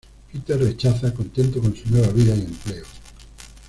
Peter rechaza, contento con su nueva vida y empleo.